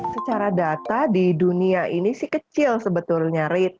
secara data di dunia ini sih kecil sebetulnya rate